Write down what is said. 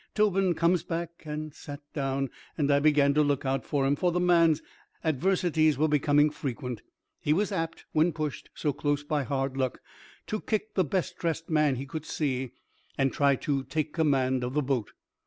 Tobin came back and sat down, and I began to look out for him, for the man's adversities were becoming frequent. He was apt, when pushed so close by hard luck, to kick the best dressed man he could see, and try to take command of the boat.